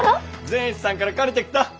善一さんから借りてきた！